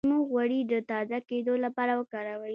د لیمو غوړي د تازه کیدو لپاره وکاروئ